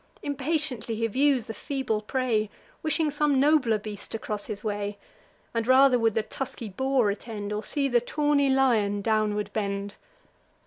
Impatiently he views the feeble prey, Wishing some nobler beast to cross his way, And rather would the tusky boar attend, Or see the tawny lion downward bend.